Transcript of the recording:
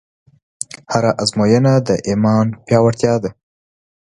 هره ازموینه د ایمان پیاوړتیا ده.